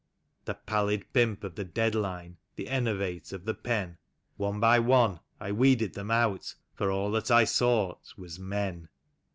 The pallid pimp of the dead line, the enervate of the pen. One by one I weeded them out, for all that I sought was — Men.